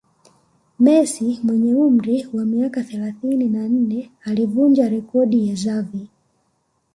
Messi mwenye umri wa miaka thelathini na nne alivunja rekodi ya Xavi